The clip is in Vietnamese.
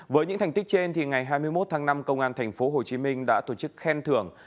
với những thành tích trên ngày hai mươi một tháng năm công an tp hcm đã tổ chức khen thưởng